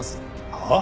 はあ？